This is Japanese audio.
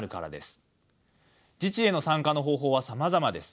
自治への参加の方法はさまざまです。